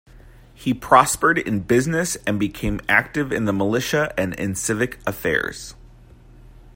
He prospered in business and became active in the militia and in civic affairs.